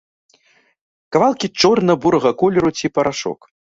Кавалкі чорна-бурага колеру ці парашок.